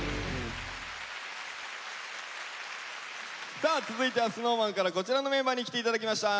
さあ続いてはＳｎｏｗＭａｎからこちらのメンバーに来て頂きました。